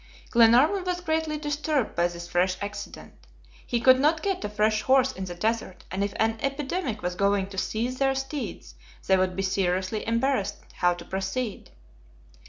Glenarvan was greatly disturbed by this fresh accident. He could not get a fresh horse in the desert, and if an epidemic was going to seize their steeds, they would be seriously embarrassed how to proceed.